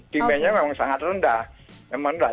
demennya memang sangat rendah